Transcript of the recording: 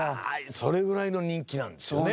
それぐらいの人気なんですよね。